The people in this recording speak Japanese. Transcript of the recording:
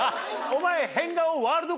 お前。